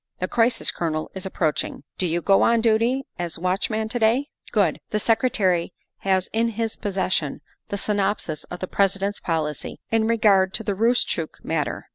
The crisis, Colonel, is approaching. Do you go on duty as watch man to day? Good. The Secretary has in his posses sion the synopsis of the President's policy in regard to the Roostchook matter.